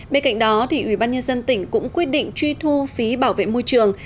bên cạnh đó ủy ban nhân dân tỉnh cũng quyết định truy thu phí bảo vệ môi trường